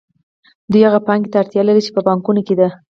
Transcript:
دوی هغې پانګې ته اړتیا لري چې په بانکونو کې ده